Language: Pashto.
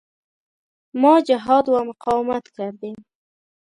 ما جهاد و مقاومت کردیم.